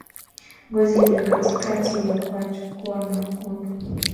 Ngozi iliyo katikati ya kwato kuwa na wekundu